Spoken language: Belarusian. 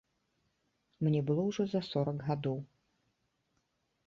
Мне было ўжо за сорак гадоў.